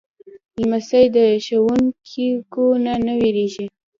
لمسی له ښوونکو نه نه وېرېږي.